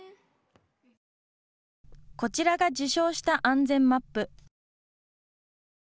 こちらが受賞した安全マップ。